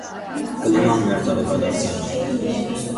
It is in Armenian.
Կլիման մերձարևադարձայն է։